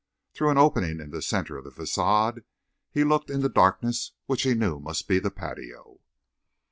Through an opening in the center of the façade he looked into darkness which he knew must be the patio.